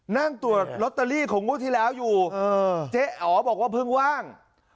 นั่งตรวจลอตเตอรี่ของงวดที่แล้วอยู่เจ๊อ๋อบอกว่าเพิ่งว่าง